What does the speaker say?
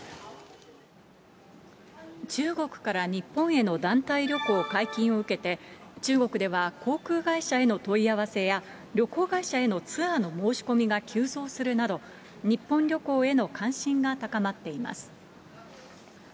中国から日本への団体旅行解禁を受けて、中国では航空会社への問い合わせや、旅行会社へのツアーの申し込みが急増するなど、日本旅行への関心が高まっています。